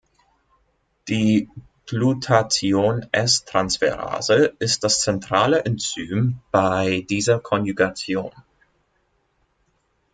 Die Glutathion-S-Transferase ist das zentrale Enzym bei dieser Konjugation.